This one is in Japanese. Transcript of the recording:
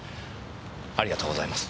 ありがとうございます。